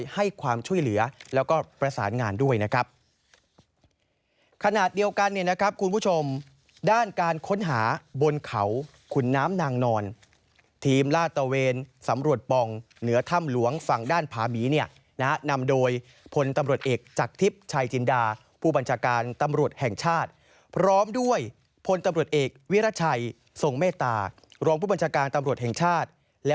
ให้ความช่วยเหลือแล้วก็ประสานงานด้วยนะครับขณะเดียวกันเนี่ยนะครับคุณผู้ชมด้านการค้นหาบนเขาขุนน้ำนางนอนทีมลาดตะเวนสำรวจป่องเหนือถ้ำหลวงฝั่งด้านผาหมีเนี่ยนะนำโดยพลตำรวจเอกจากทิพย์ชัยจินดาผู้บัญชาการตำรวจแห่งชาติพร้อมด้วยพลตำรวจเอกวิรัชัยทรงเมตตารองผู้บัญชาการตำรวจแห่งชาติและ